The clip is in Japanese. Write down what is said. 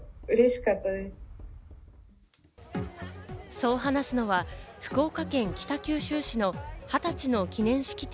そう話すのは、福岡県北九州市の「二十歳の記念式典」